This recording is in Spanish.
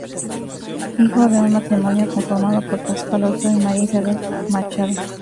Hijo de un matrimonio conformado por Pascual Orfeo y María Isabel Machado.